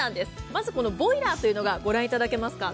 まずボイラーというのをご覧いただけますか。